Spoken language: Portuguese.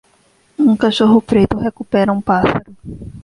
Um cachorro preto recupera um pássaro.